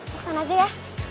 buksan aja ya